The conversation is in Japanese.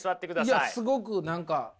いやすごく何か。